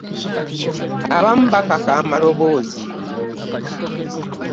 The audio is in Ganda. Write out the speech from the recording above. Abamu bakakka amaloboozi.